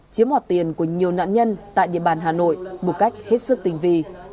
chiếm mọt tiền của nhiều nạn nhân tại địa bàn hà nội một cách hết sức tình vị